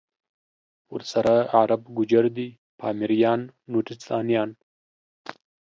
ورسره عرب، گوجر دی پامیریان، نورستانیان